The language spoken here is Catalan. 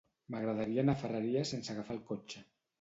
M'agradaria anar a Ferreries sense agafar el cotxe.